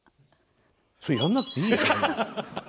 それやんなくていいよ。